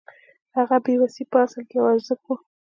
د هغه بې وسي په اصل کې یو ارزښت و